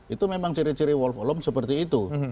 itu memang ciri ciri wolf olom seperti itu